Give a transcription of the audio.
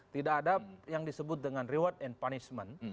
tidak ada yang disebut dengan reward and punishment